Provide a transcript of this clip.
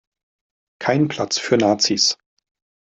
Kein Platz für Nazis.